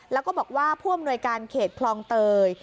แล้วก็บอกว่าผู้อำนวยการเขตคลองเตย